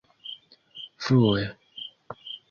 frue